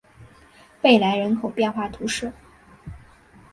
贝莱人口变化图示